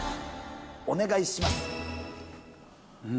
お願いします。